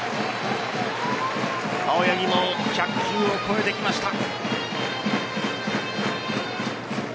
青柳も１００球を超えてきました。